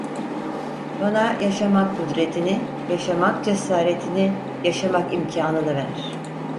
Bana yaşamak kudretini, yaşamak cesaretini, yaşamak imkanını ver…